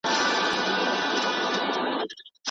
د نجونو زده کړه ګډ مسؤليت پياوړی کوي.